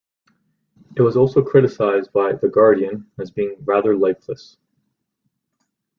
It was also criticized by "The Guardian" as being "rather lifeless".